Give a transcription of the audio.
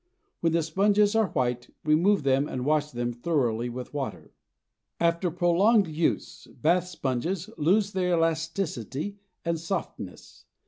When the sponge's are white, remove them and wash them thoroughly with water. After prolonged use, bath sponges lose their elasticity and softness.